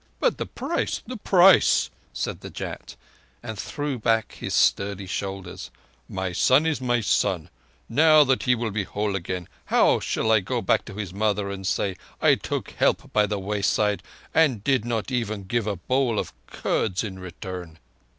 "But the price—the price," said the Jat, and threw back his sturdy shoulders. "My son is my son. Now that he will be whole again, how shall I go back to his mother and say I took help by the wayside and did not even give a bowl of curds in return?"